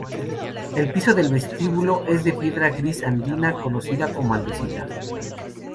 El piso del vestíbulo es de piedra gris andina, conocida como andesita.